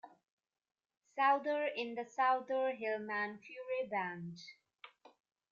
Souther in the Souther-Hillman-Furay Band.